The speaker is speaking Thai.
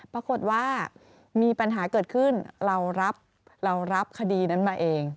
ปรากฏว่ามีปัญหาเกิดขึ้นเรารับเรารับคดีนั้นมาเอง